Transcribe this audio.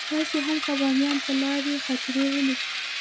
تاسې هم که باميان ته لاړئ خاطرې ولیکئ.